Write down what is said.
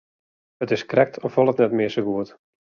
It is krekt as wol it net mear sa goed.